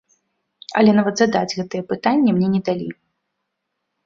Але нават задаць гэтыя пытанні мне не далі.